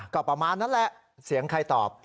ก็ประมาณนั้นแหละเสียงใครตอบ